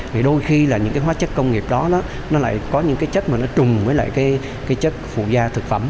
thì đôi khi là những cái hóa chất công nghiệp đó nó lại có những cái chất mà nó trùng với lại cái chất phụ da thực phẩm